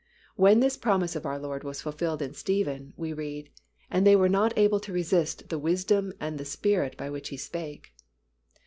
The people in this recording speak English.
When this promise of our Lord was fulfilled in Stephen, we read, "And they were not able to resist the wisdom and the Spirit by which he spake."